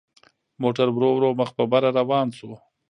موټر ورو ورو مخ په بره روان شو.